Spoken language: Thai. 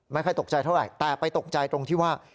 ไม่ค่อยตกใจเท่าไหร่แต่ไปตกใจตรงที่ว่า